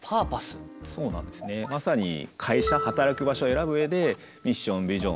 まさに会社働く場所を選ぶ上でミッションビジョン